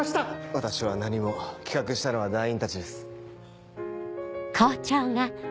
私は何も企画したのは団員たちです。